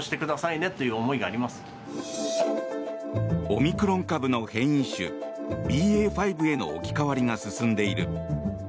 オミクロン株の変異種ＢＡ．５への置き換わりが進んでいる。